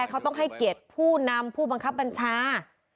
เขาต้องให้เกียจผู้นำคับมันชา